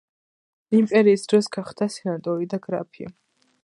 იმპერიის დროს გახდა სენატორი და გრაფი.